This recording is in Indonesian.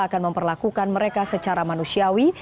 akan memperlakukan mereka secara manusiawi